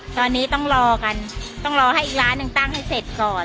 ตอนนี้ต้องรอกันต้องรอให้อีกล้านหนึ่งตั้งให้เสร็จก่อน